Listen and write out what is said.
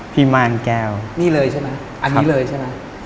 พิมารแก้วนี่เลยใช่ไหมอันนี้เลยใช่ไหม